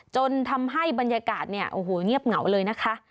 จนทำให้บรรยากาศเงียบเหงาเลยนะคะ